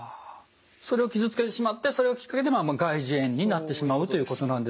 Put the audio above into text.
それを傷つけてしまってそれがきっかけで外耳炎になってしまうということなんですね。